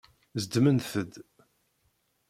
Zedment-d.